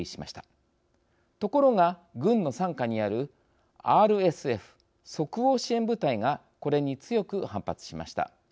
ところが軍の傘下にあるＲＳＦ即応支援部隊がこれに強く反発しました。